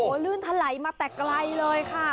ลื่นทะไหลมาแต่ไกลเลยค่ะ